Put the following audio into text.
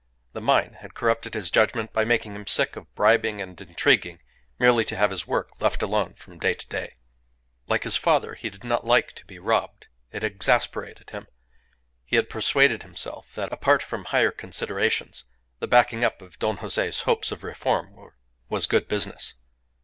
The mine had corrupted his judgment by making him sick of bribing and intriguing merely to have his work left alone from day to day. Like his father, he did not like to be robbed. It exasperated him. He had persuaded himself that, apart from higher considerations, the backing up of Don Jose's hopes of reform was good business.